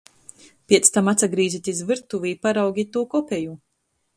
Piec tam atsagrīzit iz vyrtuvi i paraugit tū kopeju.